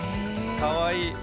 かわいい。